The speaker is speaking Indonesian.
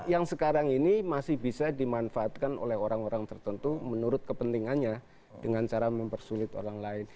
yang sekarang ini masih bisa dimanfaatkan oleh orang orang tertentu menurut kepentingannya dengan cara mempersulit orang lain